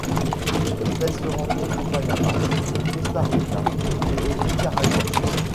Cette espèce se rencontre au Panama, au Costa Rica et au Nicaragua.